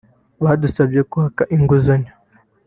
badusabye kwaka inguzanyo